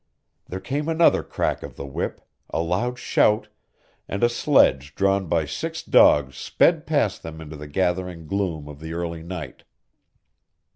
There came another crack of the whip, a loud shout, and a sledge drawn by six dogs sped past them into the gathering gloom of the early night.